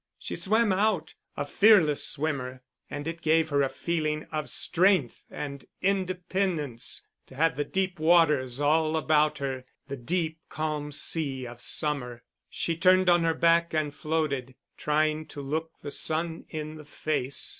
She swam out, a fearless swimmer; and it gave her a feeling of strength and independence to have the deep waters all about her, the deep calm sea of summer; she turned on her back and floated, trying to look the sun in the face.